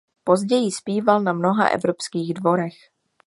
Později zpíval na mnoha evropských dvorech.